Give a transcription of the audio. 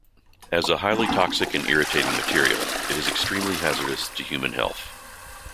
As a highly toxic and irritating material, it is extremely hazardous to human health.